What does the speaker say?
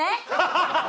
ハハハハ！